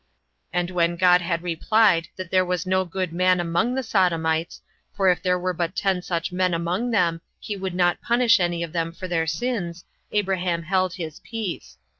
And when God had replied that there was no good man among the Sodomites; for if there were but ten such man among them, he would not punish any of them for their sins, Abraham held his peace.